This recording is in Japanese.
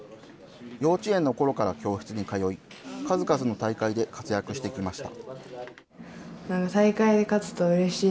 幼稚園のころから教室に通い、数々の大会で活躍してきました。